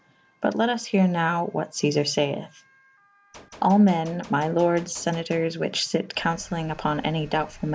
But let vs here nowe what Cezar fayeth. All men my lordes Senatoures whiche fyt cou«cellyng vpon any doubtful!